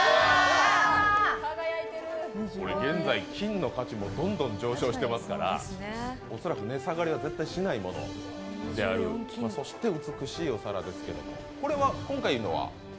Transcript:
現在、金の価値もどんどん上昇してますから恐らく値下がりは絶対しないものである、そして美しいお皿ですけれども、今回のは？